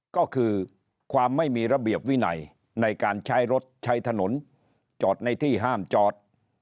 ก็คือความไม่มีระเบียบวินัยในการใช้รถใช้ถนนจอดในที่ห้ามจอด